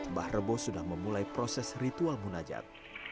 mbah rebo sudah memulai proses ritual munajat